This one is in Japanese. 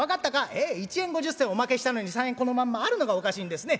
「ええ１円５０銭をおまけしたのに３円このまんまあるのがおかしいんですね。